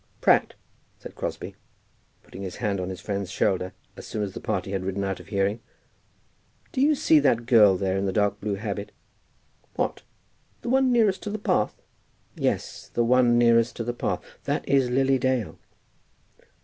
"Pratt," said Crosbie, putting his hand on his friend's shoulder as soon as the party had ridden out of hearing, "do you see that girl there in the dark blue habit?" "What, the one nearest to the path?" "Yes; the one nearest to the path. That is Lily Dale."